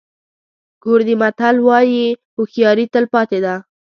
کوردي متل وایي هوښیاري تل پاتې ده.